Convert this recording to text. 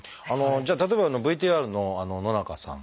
じゃあ例えばＶＴＲの野中さん。